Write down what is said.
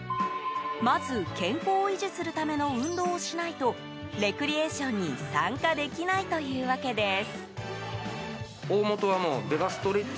まず健康を維持するための運動をしないとレクリエーションに参加できないというわけです。